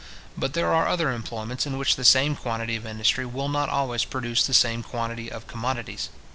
But there are other employments in which the same quantity of industry will not always produce the same quantity of commodities.